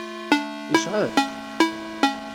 Yecɛef?